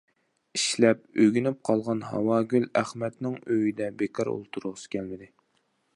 ئىشلەپ ئۆگىنىپ قالغان ھاۋاگۈل ئەخمەتنىڭ ئۆيدە بىكار ئولتۇرغۇسى كەلمىدى.